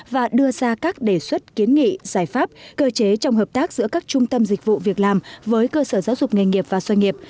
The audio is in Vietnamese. và đưa ra các đề xuất kiến nghị giải pháp cơ chế trong hợp tác giữa các trung tâm dịch vụ việc làm với cơ sở giáo dục nghề nghiệp và doanh nghiệp